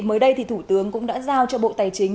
mới đây thì thủ tướng cũng đã giao cho bộ tài chính